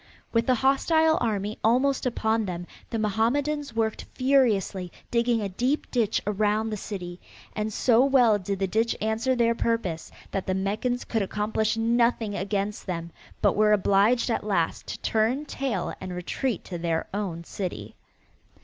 With the hostile army almost upon them the Mohammedans worked furiously digging a deep ditch around the city, and so well did the ditch answer their purpose that the Meccans could accomplish nothing against them, but were obliged at last to turn tail and retreat to their own city.